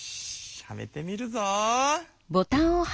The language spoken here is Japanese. はめてみるぞ。